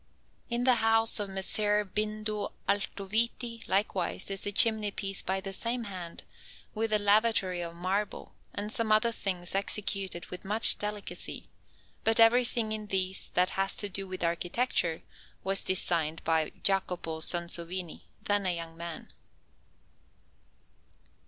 In the house of Messer Bindo Altoviti, likewise, is a chimney piece by the same hand, with a lavatory of marble, and some other things executed with much delicacy; but everything in these that has to do with architecture was designed by Jacopo Sansovino, then a young man.